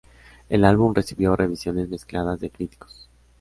El álbum recibió revisiones mezcladas de críticos.